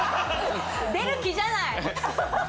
出る気じゃない！